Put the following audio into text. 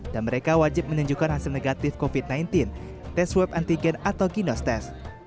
dan mereka wajib menunjukkan hasil negatif covid sembilan belas test swab antigen atau ginos test